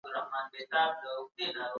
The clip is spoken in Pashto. جهاد د دین د ستنو د ساتلو دپاره دی.